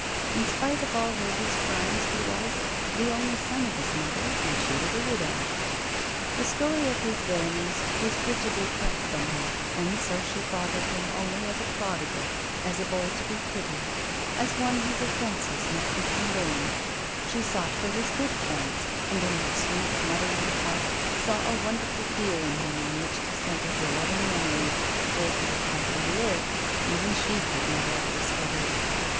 In spite of all Hervey's crimes he was "the only son of his mother, and she was a widow." The story of his villainies was rigidly kept from her, and so she thought of him only as a prodigal, as a boy to be pitied, as one whose offences must be condoned; she sought for his good points, and, in her sweet motherly heart, saw a wonderful deal in him on which to centre her loving memory, which, had he lived, even she could never have discovered.